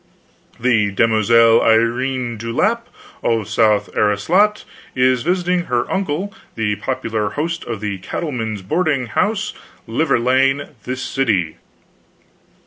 The Demoiselle Irene Dewlap, of South Astolat, is visiting her uncle, the popular host of the Cattlemen's Board ing Ho&se, Liver Lane, this city.